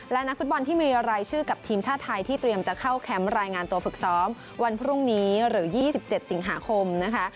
และนักฟุตบอลที่มีรายชื่อกับทีมชาติไทยที่เตรียมจะเข้าแคมป์รายงานตัวฝึกซ้อมวันพรุ่งนี้หรือ๒๗สิงหาคมนะคะ